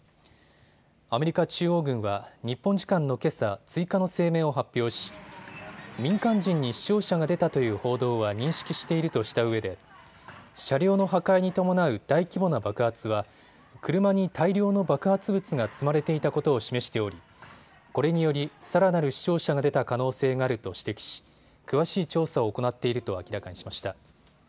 アメリカ中央軍は日本時間のけさ追加の声明を発表し、民間人に死傷者が出たという報道は認識しているとしたうえで車両の破壊に伴う大規模な爆発は車に大量の爆発物が積まれていたことを示しておりこれにより、さらなる死傷者が出た可能性があると指摘し、詳しい調査を行っていると明らかにしました。